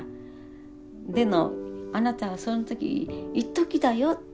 でもあなたはその時一時だよって。